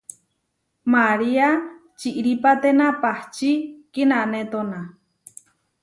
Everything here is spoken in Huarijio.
María čiʼrípatena pahčí kinanétona.